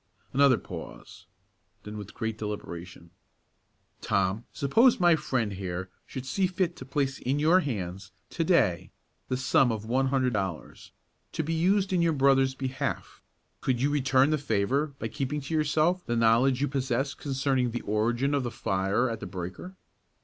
Another pause; then, with great deliberation, "Tom, suppose my friend here should see fit to place in your hands, to day, the sum of one hundred dollars, to be used in your brother's behalf; could you return the favor by keeping to yourself the knowledge you possess concerning the origin of the fire at the breaker?"